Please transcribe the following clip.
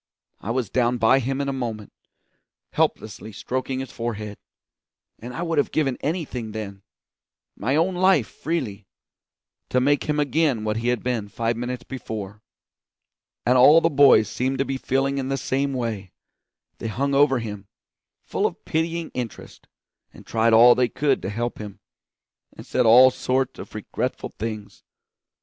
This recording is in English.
I was down by him in a moment, helplessly stroking his forehead; and I would have given anything then my own life freely to make him again what he had been five minutes before. And all the boys seemed to be feeling in the same way; they hung over him, full of pitying interest, and tried all they could to help him, and said all sorts of regretful things.